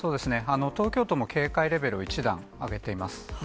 東京都も警戒レベルを１段上げています。